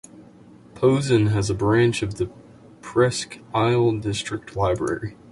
Posen has a branch of the Presque Isle District Library.